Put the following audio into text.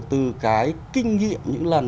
từ cái kinh nghiệm những lần